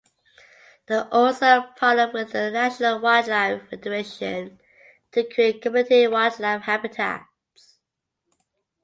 They also partner with the National Wildlife Federation to create Community Wildlife Habitats.